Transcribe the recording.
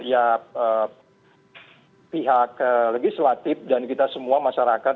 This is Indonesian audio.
ya pihak legislatif dan kita semua masyarakat